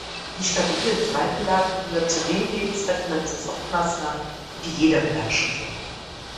Die stabile Seitenlage gehört zu den lebensrettenden Sofortmaßnahmen, die jeder beherrschen sollte.